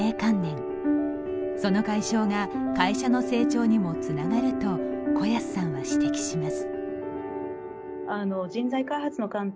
その解消が会社の成長にもつながると小安さんは指摘します。